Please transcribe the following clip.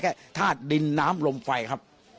แค่ทาดดินน้ำลมไฟครับ